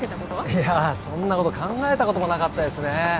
いやあそんなこと考えたこともなかったですね